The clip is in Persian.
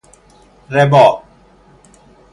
ربا